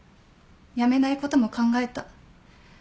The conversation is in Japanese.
辞めないことも考えた。